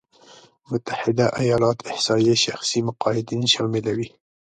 متحده ایالات احصایې شخصي مقاعدين شاملوي.